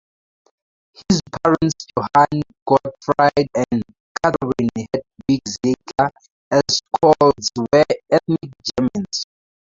His parents, Johann Gottfried and Katherine Hedwig Ziegler Eschscholtz were ethnic Germans.